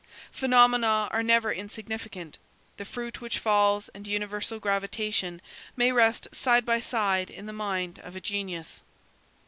Phenomena are never insignificant; the fruit which falls and universal gravitation may rest side by side in the mind of a genius.